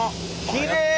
きれい！